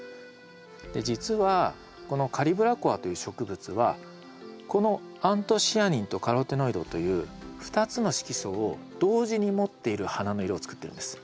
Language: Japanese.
実はこのカリブラコアという植物はこのアントシアニンとカロテノイドという２つの色素を同時に持っている花の色をつくってるんです。